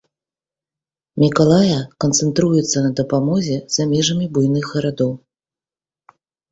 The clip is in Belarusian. Мікалая канцэнтруецца на дапамозе за межамі буйных гарадоў.